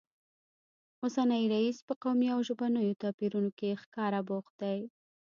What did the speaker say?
اوسنی رییس په قومي او ژبنیو توپیرونو کې ښکاره بوخت دی